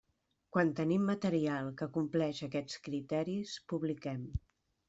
Quan tenim material que compleix aquests criteris, publiquem.